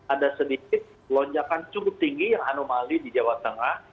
ada sedikit lonjakan cukup tinggi yang anomali di jawa tengah